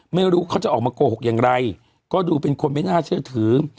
ไม่รู้เขาจะออกมาโกหกอย่างไรก็ดูเป็นคนไม่น่าเชื่อถือ